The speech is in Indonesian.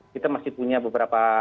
kita masih punya beberapa